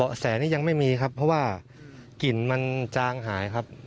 แสนี้ยังไม่มีครับเพราะว่ากลิ่นมันจางหายครับ